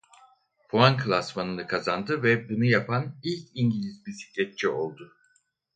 Puan klasmanını kazandı ve bunu yapan ilk İngiliz bisikletçi oldu.